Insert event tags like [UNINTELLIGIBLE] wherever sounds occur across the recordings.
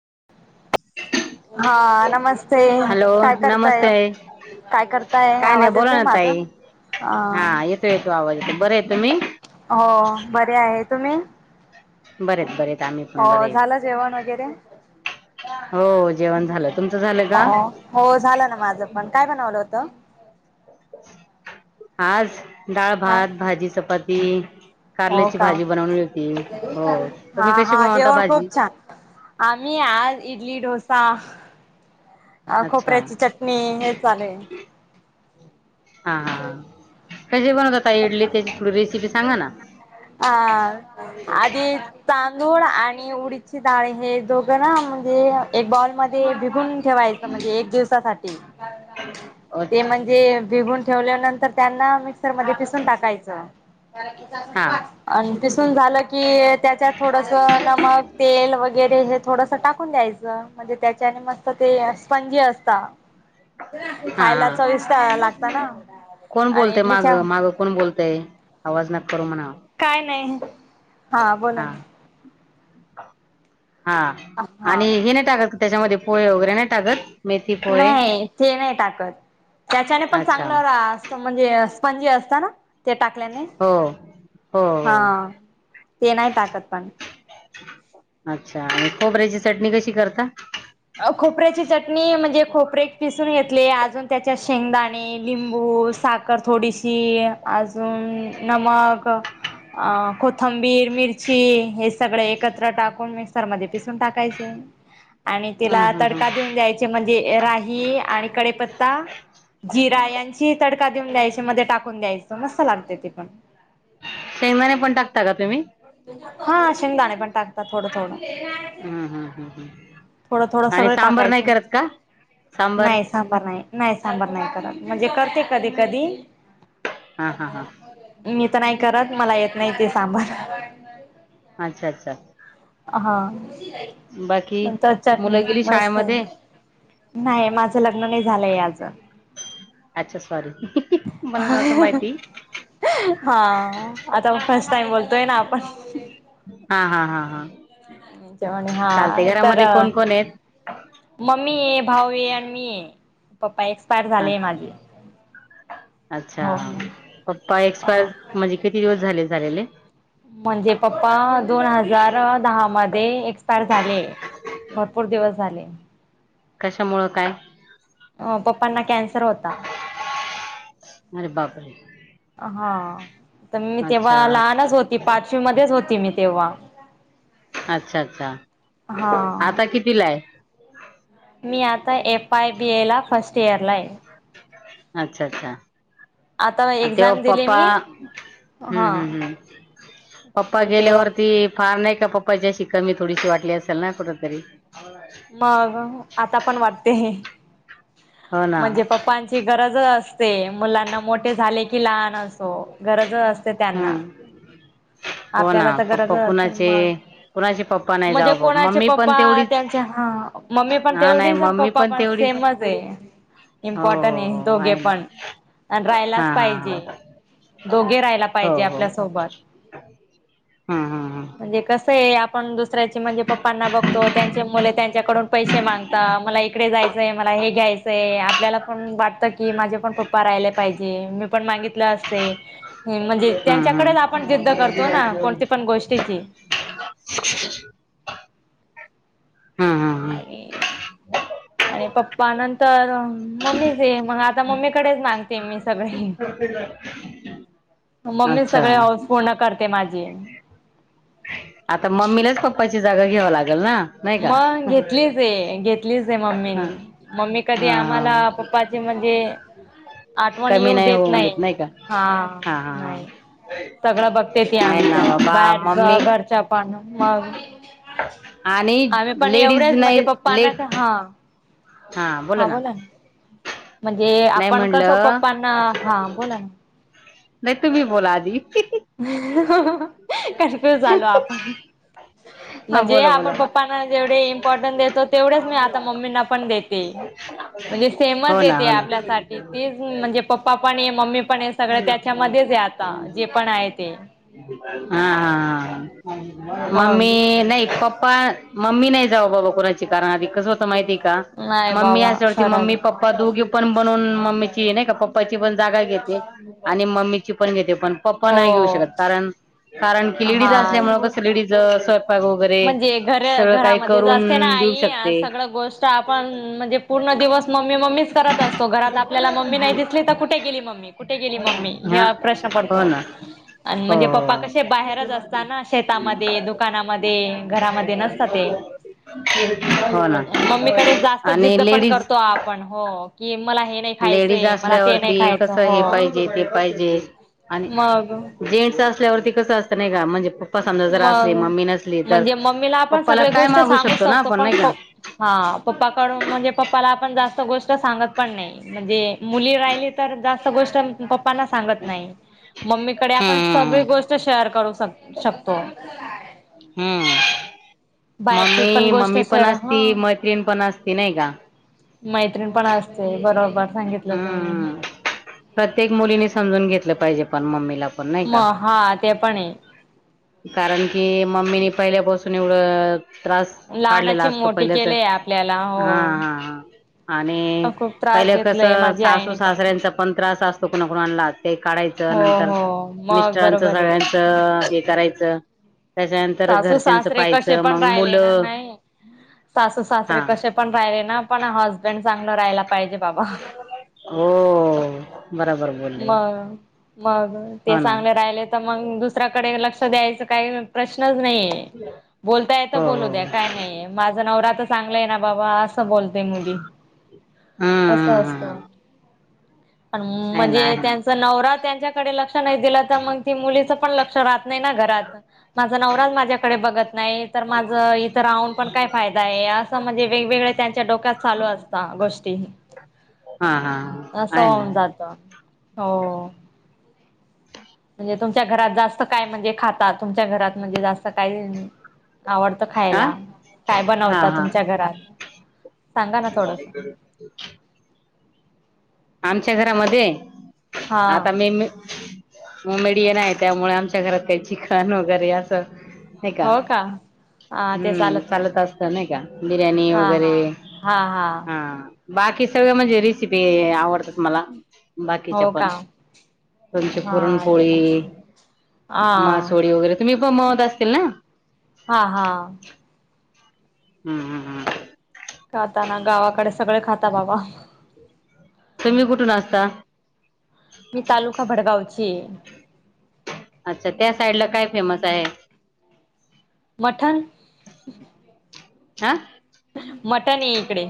[INAUDIBLE] हा नमस्ते हॅलो काय करताय नमस्ते काय करताय काय नाही आवाज बोला येतंय ना माझा ताई अ हा येतो येतो आवाज येतो बरे आहे तुम्ही हो बरे आहेत तुम्ही बरेत बरेत आम्ही पण हो बरे झालं जेवण वगैरे [INAUDIBLE] हो जेवण झालं तुमचं झालं का हो झालं ना माझं पण काय बनवलं होत आज डाळ हा भात भाजी चपाती हो कारल्याची का भाजी बनवली होती हो हा तुम्ही कशी हा बनवता जेवण भाजी खूप छान. आम्ही आज इडली डोसा अ अच्छा खोपऱ्याची चटणी हेच चालुये हा हा कशी बनवता ताई इडली त्याची थोडी रेसिपी सांगा ना आ आधी तांदूळ आणि उडीदची डाळ हे दोघं ना म्हणजे एक बाउलमध्ये भिजून ठेवायचं म्हणजे एक दिवसासाठी ते अच्छा म्हणजे भिगुन ठेवल्यानंतर त्यांना मिक्सर मध्ये पिसून टाकायचं हा अन पिसून झालं की त्याच्यात थोडस नमक मग तेल वगैरे हे थोडस टाकून द्यायचं म्हणजे त्याच्याने मस्त ते स्पंजी असत [INAUDIBLE] हा खायला चविष्ट लागत ना कोण आणि बोलते माग इडलीच्या माग कोण बोलत - तय आवाज - काय नाही हा बोला ना हा आणि हा हे नाही टाकत त्याच्यामध्ये पोहे वगैरे नाही टाकत मेथी पोहे नाही ते नाही टाकत त्याच्याने पण अच्छा चांगलं रा असत म्हणजे स्पनजी असत ना ते टाकल्याने हो हो हा हो ते नाही टाकत पण अच्छा आणि खोबऱ्याची चटणी कशी करता खोपऱ्याची चटणी म्हणजे खोपरे पिसून घेतले अजून त्याच्यात शेंगदाणे लिंबू साखर थोडीशी अजून नमक कोथंबी बीर मिरची हे सगळं एकत्र टाकून मिक्सर मध्ये पिसून टाकायचे आणि ह तिला ह ह तडका देऊन द्यायचे म्हणजे राही आणि कडीपत्ता जिरा यांची तडका देऊन द्यायचे मध्ये टाकून द्यायचं मस्त लागते ते पण शेंगदाणे पण टाकता का तुम्ही हा शेंगदाणे पण टाकतात थोडं थोडं हम्म हम् हम् हम् थोडं थोडं सगळें टाकायचं नाही सांबर नाही नाही सांबार नाही करत म्हणजे कर कधी कधी हा हा हा मी तर नाही करत मला येत नाही ते सांबार अच्छा अच्छा हा बाकी नंतर चटणी मुलं गेली मस्त आहे शाळेमध्ये नाही माझं लग्न नाही झालंय अजून अच्छा सॉरी मला नव्हतं माहिती हा आता फर्स्ट टाइम बोलतोय ना पास हा हा हा हा जेवण हा चालते तर घरामध्ये कोण कोण आहेत मम्मी ये भाऊ ये आणि मी ये पप्पा एक्सपायर झालेय माझे अच्छा हो पप्पा एक्सपायर म्हणजे किती दिवस झाले झालेले म्हणजे पप्पा दोन हजार दहा मध्ये एक्सपायर झाले भरपूर दिवस झाले कशामुळं काय अ पप्पांना कॅन्सर होता अरे बापरे हा तर मी अच्छा तेव्हा लहानच होती पाचवी मध्येच होती मी तेव्हा अच्छा अच्छा हा आता कितवीला हाय मी आता एफआय बी ए ला फर्स्ट इयर ला आहे अच्छा अच्छा आता तेव्हा एक्झाम दिली पप्पा मी हम्म हा हम्म हम्म पप्पा तेव्हा गेल्यावरती फार नाही का पप्पाचीशी कमी थोडीशी वाटली असेल ना कुठ तरी मग आता पण वाटते हो ना म्हणजे पप्पांची गरज असते मुलांना मोठे झाले की लहान असो गरज असते त्यांना हम्म हो ना आपल्याला तर गरजच पप्पा असेल कुणाचे मग कुणाचे पप्पा नाही मध्येे जाव बा कोणाचे मम्मी पण पप्पा तेवढीच त्यांच्या हा मम्मी पण हा नाही तेवढीच आणि मम्मी पप्पा पण तेवढीच सेमच आहे. हो इम्पॉर्टनट हो आहे हो दोघे ना पण आणि हा राहिलाच हा पाहिजे. हा दोघे राहायला पाहिजे आपल्यासोबत ह. म्हणजे कस आहे आ आपण दुसऱ्याची म्हणजे पप्पांना बघतो त्यांचे मुले त्यांच्याकडून पैसे मागता मला इकडे जायचंय मला ह हे घ्याय आपल्याला पण वाटत की माझे पण पप्पा रायले पाहिजे मी पण मागितलं असते. म्हणजे हा हा त्यांच्याकडेच आपण जिद्द कर तो ना कोणती पण गोष्टीची हम् हम हम आणि आणि पप्पा नंतर मम्मीचे मग आता मम्मीकडेच मानते मी सगळे [INAUDIBLE] मम्मी अच्छा सगळे हौस पूर्ण करते माझी आता मम्मीलाच पप्पाची जागा घ्याव लाग मग घेतलीचे, घेतलीच आहे हा मम्मीनी, मम्मी कधी हा आम्हाला पाचे म्हणजे आठवण येऊ देत नाही. हा. हा नाही हा सगळं बघते ती आम आहे ना च्या बाबा मम्मी बाहेरच, घरच्या पण मग आणि आम्ही पण लेडीज एवढेच म्हणजे नाही पप्पना का लेट हा हा बोला ना म्हणजे नाही आपण कसं म्हणलं पप्पांना हा बोला ना नाही. तुम्ही बोला आदी कन्फ्युज झालो आपण [INAUDIBLE] म्हणजे बोला आपण पप्पांना जेवढे इम्पॉर्टन देतो, तेवढेच मी आता मम्मींना पण देते. म्हणजे सेमच हो ना येते हो ना आपल्यासाठी तीच म्हणजे पप्पा पण आहे मम्मी पण आहे, सगळ त्याच्यामध्येच आहे आता पण आहे ते हा. मम्मी मग नाही पप्पा मम्मी नाही जाव, बाबा कोणाची कारण आधी कस स्वतः माहिती का नाही मम्मी बाबा असवरती खरंच मम्मी पप्पा दोघी पण बनून मम्मीच नाही का, पप्पाची पण जागा घेते आणि मम्मीची पण घेते पण पप्पा हो नाही घेऊ शकत. कारण कारण की लेडीज हा असल्यामुळे कस लेडीज अ म्हणजे घर घरामध्ये असते ना करून देऊ आई शकते सगळ गोष्ट आपण म्हणजे पूर्ण दिवस मम्मी मम्मी करत असतो. घरात आपल्याला मम्मी नाही दिसली तर, कुठे गेली मम्मी? कुठे गेली मम्मी? हा ह्या प्रश्न हो पडतो. ना आणि हो म्हणजे पप्पा कसे हो बाहेरच असत ना शेतामध्ये, [INAUDIBLE] दुकानामध्ये घरामध्ये नसतात ते. हो. ना. मम्मीकडे जास्त आणि जिद्द पण लेडीज करतो आपण हो कि मला हे नाही लेडीज खायचंय मला ते नाही असल्यावरती खायचं कस हो हे पाहिजे, ते पाहिजे आणि मग जेंट्स असल्यावरती कस असत नाही का म्हणजे् पप्पा समजा जर असले मग मम्मी नसली तर म्हणजे मम्मीला आपण पप्पाला सगळे काय गोष्ट मागू सांगू शकतो ना आपण पण नाही प का हा. पप्पा कडून म्हणजे, पप्पाला आपण जास्त गोष्ट सांगत पण नाही म्हणजे, मुली राहिली तर जास्त गोष्ट पप्पा पप्पाना सांगत नाही. मम्मीकडे आपण सगळी गोष्ट शेअर करू शक शकतो. [INAUDIBLE] हम्म. बाहेरची पण मम्मी गोष्ट मम्मी पण शेअर असती, हा मैत्रिण पण असती नाही का? मैत्रीण पण असते, बरोबर सांगितलं तुही. हम्म प्रत्येक मुलीने समजून घेतलं पाहिजे पण मम्मीला. पण नाही म का हा ते पणए. कारण की मम्मीनी पहिल्यापासून एवढं त्रास काढलेला लहानाची असतो, मोठी पहिले तर केलेय आपल्याला हा हा हो हा. आणि खूप त्रास पहिलं घेतलाय कसं माझ्या सासू आईने पण सासऱ्यांचा पण त्रास असतो कणाकूनलाच. ते काढायचं हो नंतर, हो मग मिस्टरांचं बरोबर आहे सगळ्यांचं हे करायचं. त्याच्यानंतर सासू घरच्यांचं सासरे कसे पाहायचं, पण मग राहिले ना मुलं नाही सासू सासरे हा कसे पण राहिले ना पण हसबंड चांगलं राहाला पाहिजे बाबा. हो बरोबर बोलले मग, मग ते हो ना चांगले राहिले तर मग दुसर दुसराकडे लक्ष द्यायचं काय गरज नाहीए. बोलता य हो बोलू हो द्या काय नाही. माझा न तर चांगलाय ना बाबा असं बोलते मुली हम्म असं हम्म असत. हम्म पण आहे ना म्हणजे आहे ना त्यांच नवरा त्यांच्याकडे लक्ष नाही दिला तर मग ती मुलीच पण लक्ष राहत नाही ना घरात. माझा नवराच माझ्याकडे बघत नाही तर माझं इथं राहून पण काय फायदा आहे असं म्हणजे वेगवेगळे त्यांच्या डोक्यात चालू असतात गोष्टी. हा हा अस आहे ना होऊन जात. हो. म्हणजे तुमच्या घरात जास्त काय म्हणजे खाता तुमच्या घरात म्हणजे जास्त काय आवडत आ खायला काय हा बनवत हा तुमच्या घरात. सांगा ना थोडस [UNINTELLIGIBLE] आमच्या घरामध्ये हा आता मी, मुंबेड येन आहे त्यामुळे आमच्या घरात काही चिकन वगैरे असं, हो का. हा ते हम्म नाही चालत असत नाही का बिर्याणी हा वगैरे हा हा हा. बाकी सगळे म्हणजे रेसिपी आवडतात मला. हो का., तमची हा ते पुरणपोळी. पण हा मासोळी वगैरे तुम्ही बनवत असतील ना. हा हा हम्म हम्म हम्. खाता ना गावाकडे सगळे खाता बाबा. [INAUDIBLE] तुम्ही कुठून असता मी तालुका भडगावचीय. अच्छा त्या साइड ला काय फेमस आहे. मठन. [INAUDIBLE] ह., मटण ये इकडे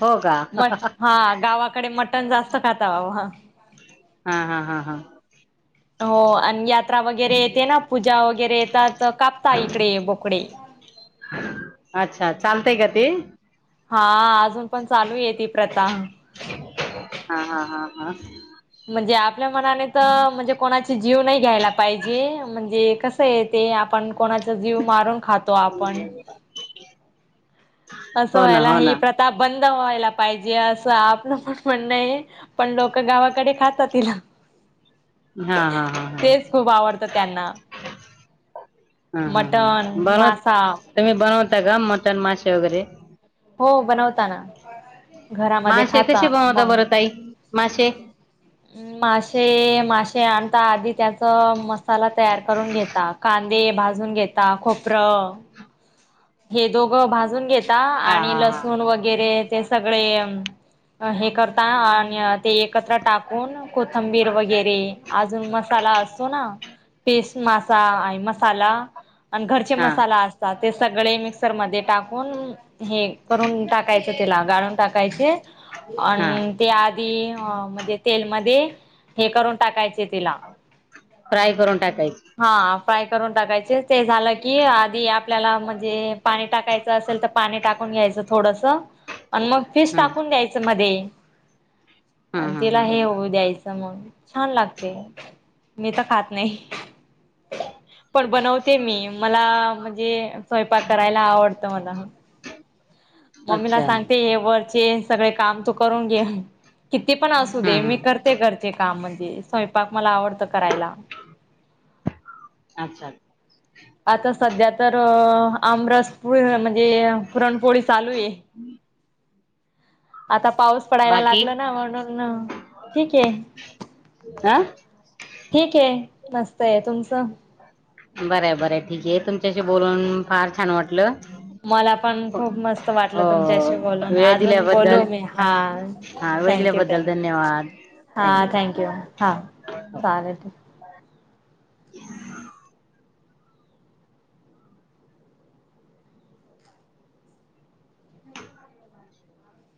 हो का म हा गावा कडे मटन जास्त खातावा हा. हा-हा, हा-हा. हो आणि यात्रा वगैरे येते ना पूजा वगैरे येतात कापता इकडे बोकडे. अच्छा चालतय का ते. हा अजून पण चालू आहे ती प्रथा. हा-हा, हा-हा म्हणजे आपल्या मनाने तर म्हणजे कोणाची जीव नाही घ्यायला पाहिजे म्हणजे कस आहे ते आपण कोणाचा जीव मारून खातो आपण, असं हो ना व्हायला हो ही ना प्रताप बंद व्हायला पाहिजे असं आपलं पण म्हणणं आहे. पण लोकं गावाकडे खातात तिला. हा हा हा हा तेच खूप आवडतं त्यांना. हा हा मटन मासा. सगळ मटन माशे वगैरे हो बनवता ना घरामध्ये खाताना मम्मी माशे, माशे-माशे आणता आदी त्याचा मसाला तयार करून घेता कांद दे भाजून घेता खोपरं हे दोघं भाजून घेत हा आणि हा हा लसूण वगैरे ते सगळे अ हे करता आणि ते एकत्र टाक कुन कोथंबीर वगैरे अजून मसाला असो ना पेस्ट मासा आय मसाला आण घरचे हा मसाला असतात ते सगळे मिक्सर मध्ये टाकून हे करून टाकायचं तेला गाळून टाकायचे हा आण ते आधी अ म्हणजे मदे हे करून टाकायचे तिला. फ्राय करून टाकायचे हा फ्राय करून टाकायचं. ते झालं की अ आधी आपल्याला म्हणजे पाणी टाकायचं असेल तर पाणी टाकून घ्यायचं थोडस आण मग फिश टाकून हम्म घ्यायचं मदे हा तिला हा हे हा होऊ द्यायचं मग छान लागते मी त खात नइ [INAUDIBLE] पण बनवते मी मला म्हजे स्वयंपाक करायला आवडत मला मम्मीला अच्छा सांगते हे बन सगळे काम त करून घे किती पण अस हा दे मी हा करते घरचे कामज्ञम्हण्जे स्वयपाक मला आवडत करायला अच्छा आता सध्या तर आमरस पुुरळ म्हण जे पुरणपोळी चालूये आता पाऊस पडायला बाकी लागलाना म्हणूण ठीके हा ठीके मस्तये. तुमचंं? बरय बरय ठीके तुमच्याशी बोलून फार छान वाटलं मला पण खूप मस्त वाटलं हो तुमच्याशी बोलून वेळ अजून बोलू दिल्याबद्दल मी हा हा वेळ थँक्यू दिल्याबद्दल थँक्यू धन्यवाद. हा थँक्यू हा चालेल ह